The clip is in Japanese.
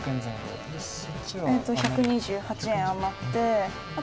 えっと１２８円余って。